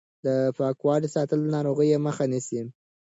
د پاکوالي ساتل د ناروغۍ مخه نیسي.